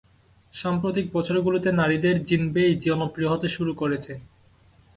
সাম্প্রতিক বছরগুলোতে নারীদের জিনবেই জনপ্রিয় হতে শুরু করেছে।